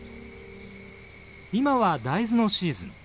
今は大豆のシーズン。